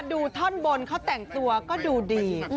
ดูท่อนบนเขาแต่งตัวก็ดูดี